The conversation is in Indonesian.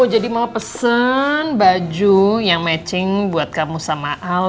jadi mama pesen baju yang matching buat kamu sama al